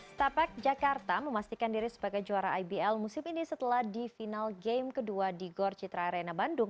setapak jakarta memastikan diri sebagai juara ibl musim ini setelah di final game kedua di gor citra arena bandung